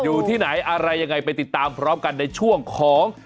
อยู่ที่ไหนอะไรยังไงไปติดตามพร้อมกันในช่วงของ